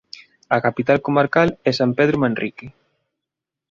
A capital comarca é San Pedro Manrique.